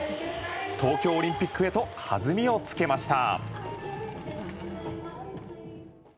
東京オリンピックへと弾みをつけました。